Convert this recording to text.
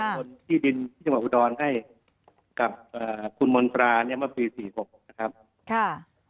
ได้ส่วนที่ดินที่จังหวัดหูดอนให้กับคุณมนตราเมื่อปี๔๖นะครับ